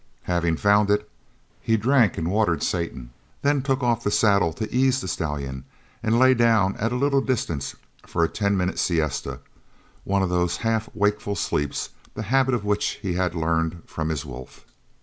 Having found it, he drank, and watered Satan, then took off the saddle to ease the stallion, and lay down at a little distance for a ten minute siesta, one of those half wakeful sleeps the habit of which he had learned from his wolf.